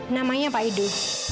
namanya pak edo